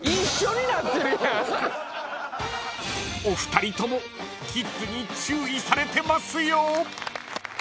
お二人ともキッズに注意されてますよ。